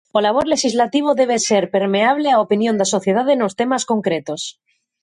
O labor lexislativo debe ser permeable á opinión da sociedade nos temas concretos.